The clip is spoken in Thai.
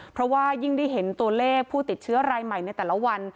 เพราะว่ายิ่งได้เห็นตัวเลขผู้ติดเชื้อรายใหม่ในแต่ละวัน